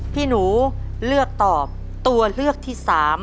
พี่หนูเลือกตอบตัวเลือกที่๓